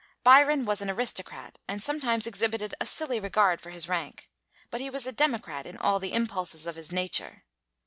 Byron was an aristocrat, and sometimes exhibited a silly regard for his rank; but he was a democrat in all the impulses of his nature.